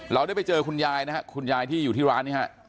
เราได้ไปเจอคุณยายนะครับคุณยายที่อยู่ที่ร้านนี้ฮะ